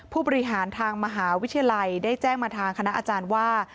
ผู้บริหารทางมหาวิทยาลัยได้แจ้งมาทางคณะอาจารย์ว่า